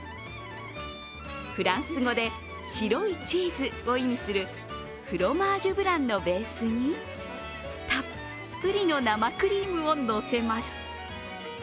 フランス語で白いチーズを意味するフロマージュブランのベースにたっぷりの生クリームをのせます。